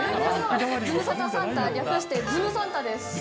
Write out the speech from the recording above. ズムサタサンタ、略してズムサンタです。